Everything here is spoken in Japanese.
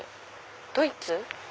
ドイツ？